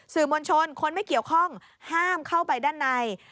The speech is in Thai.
สื่อมวลชนคนไม่เกี่ยวข้องห้ามเข้าไปด้านใน